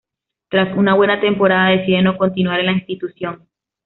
Tras una buena temporada decide no continuar en la institución.